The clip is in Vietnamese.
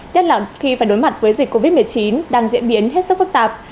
nhất là khi phải đối mặt với dịch covid một mươi chín đang diễn biến hết sức phức tạp